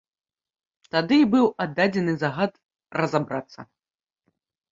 Тады і быў аддадзены загад разабрацца.